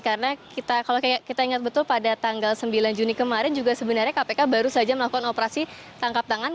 karena kalau kita ingat betul pada tanggal sembilan juni kemarin juga sebenarnya kpk baru saja melakukan operasi tangkap tangan